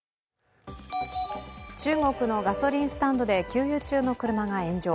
中国のガソリンスタンドで給油中の車が炎上。